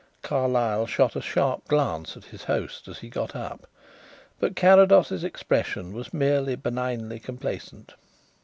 Carlyle shot a sharp glance at his host as he got up, but Carrados's expression was merely benignly complacent.